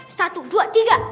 satu dua tiga